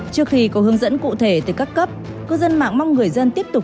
trước khi có hướng dẫn cụ thể từ các cấp cư dân mạng mong người dân tiếp tục